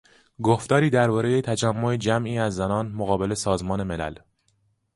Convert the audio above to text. گفتاری درباره تجمع جمعی از زنان مقابل سازمان ملل.